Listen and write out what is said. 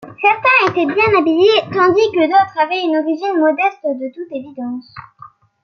Certains étaient bien habillés, tandis que d'autres avaient une origine modeste de toute évidence.